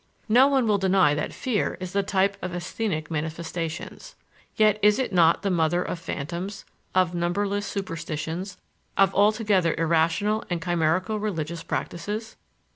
No one will deny that fear is the type of asthenic manifestations. Yet is it not the mother of phantoms, of numberless superstitions, of altogether irrational and chimerical religious practices?